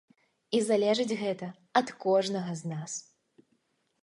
І залежыць гэта ад кожнага з нас.